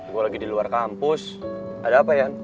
gue lagi di luar kampus ada apa ya